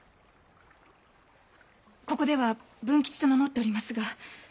ここでは文吉と名乗っておりますが。